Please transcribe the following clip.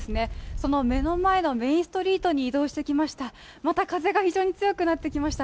その目の前のメインストリートに移動してきました。